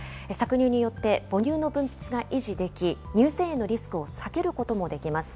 搾乳によって母乳の分泌が維持でき、乳腺炎のリスクを避けることもできます。